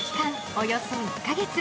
およそ１か月。